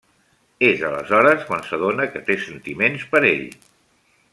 És aleshores quan s'adona que té sentiments per ell.